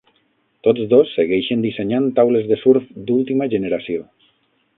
Tots dos segueixen dissenyant taules de surf d'última generació.